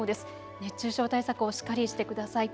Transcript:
熱中症対策をしっかりしてください。